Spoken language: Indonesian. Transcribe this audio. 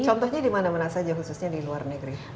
contohnya dimana mana saja khususnya di luar negeri